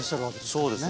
そうですね。